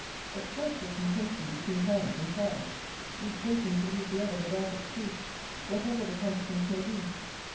A dreadful contention between parents and child! Each hoping to leave the other without excuse, whatever the consequence may be.